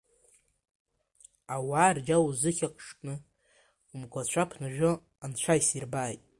Ауаа рџьа узыӷьашкны, умгәацәа ԥнажәо анцәа исирбааит!